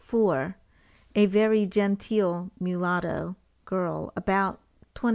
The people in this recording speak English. A very genteel mulatto girl about 22 25.